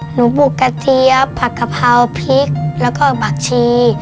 หนูบุกกระเจี๊ยบผักกะเพราพริกแล้วก็ผักชี